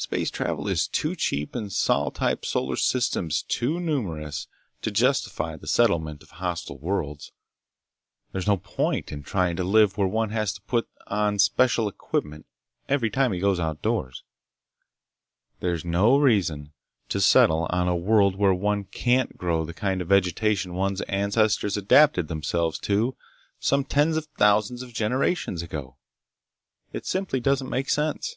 Space travel is too cheap and sol type solar systems too numerous to justify the settlement of hostile worlds. There's no point in trying to live where one has to put on special equipment every time he goes outdoors. There's no reason to settle on a world where one can't grow the kind of vegetation one's ancestors adapted themselves to some tens of thousands of generations ago. It simply doesn't make sense!